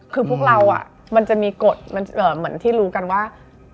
คือพวกเรามันจะมีกฎมันเหมือนที่รู้กันว่า